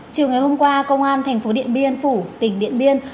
chiều ngày hôm qua công an thành phố điện biên phủ tỉnh điện biên